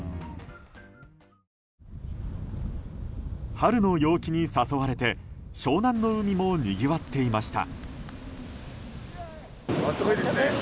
春の陽気に誘われて湘南の海もにぎわっていました。